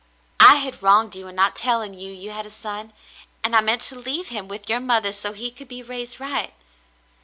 "I had wronged you in not telling you you had a son, and I meant to leave him with your mother so he could be raised right."